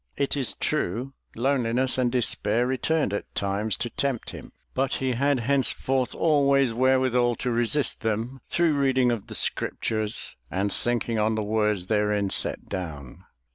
It is true loneliness and despair returned at times to tempt him, but he had henceforth always wherewithal to resist them through reading of the scriptures and thinking on the words therein set down.